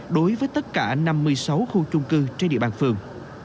đối với tất cả năm mươi sáu khu chung cư trên địa bàn phường